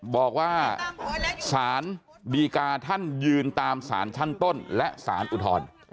บอกว่าสารดีกาท่านยืนตามสารชั้นต้นและสารอุทธรณ์